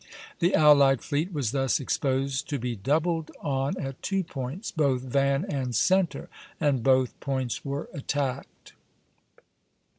The allied fleet was thus exposed to be doubled on at two points, both van and centre; and both points were attacked.